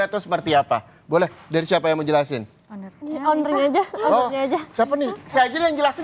atau seperti apa boleh dari siapa yang menjelasin on screen aja aja siapa nih saya jadi yang jelasin